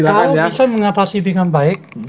kalau bisa mengatasi dengan baik